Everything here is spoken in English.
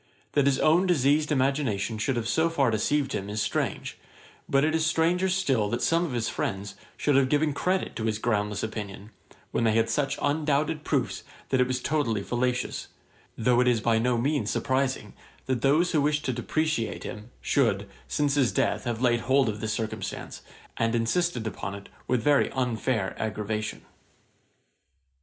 That his own diseased imagination should have so far deceived him, is strange; but it is stranger still that some of his friends should have given credit to his groundless opinion, when they had such undoubted proofs that it was totally fallacious; though it is by no means surprising that those who wish to depreciate him, should, since his death, have laid hold of this circumstance, and insisted upon it with very unfair aggravation.